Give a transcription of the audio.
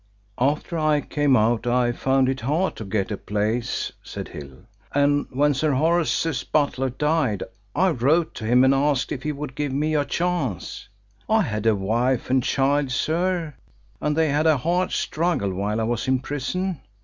"After I came out I found it hard to get a place," said Hill, "and when Sir Horace's butler died I wrote to him and asked if he would give me a chance. I had a wife and child, sir, and they had a hard struggle while I was in prison.